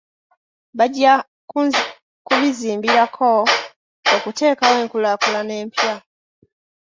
Bajja kubizimbirako okuteekawo enkulaakulana empya.